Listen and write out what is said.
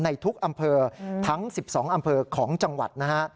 ในทุกอำเภอทั้ง๑๒อำเภอของจังหวัดนะฮะ